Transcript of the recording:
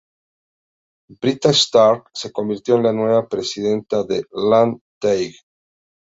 Britta Stark se convirtió en la nueva presidenta del Landtag.